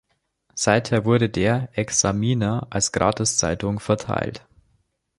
Seither wird der "Examiner" als Gratiszeitung verteilt.